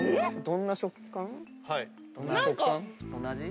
どんな食感？